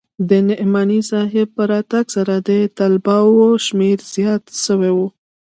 د نعماني صاحب په راتگ سره د طلباوو شمېر زيات سوى و.